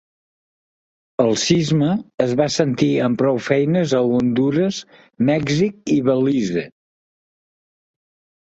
El sisme es va sentir amb prou feines a Hondures, Mèxic i Belize.